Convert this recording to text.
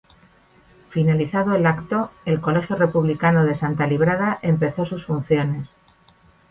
Finalizado el acto el Colegio Republicano de Santa Librada empezó sus funciones.